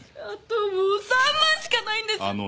あともう３万しかないんです！